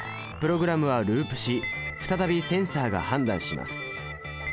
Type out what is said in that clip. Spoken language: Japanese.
プログラムはループし再びセンサが判断します。